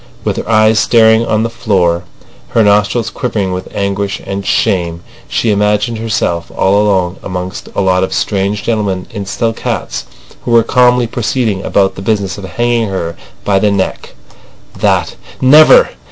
With her eyes staring on the floor, her nostrils quivering with anguish and shame, she imagined herself all alone amongst a lot of strange gentlemen in silk hats who were calmly proceeding about the business of hanging her by the neck. That—never!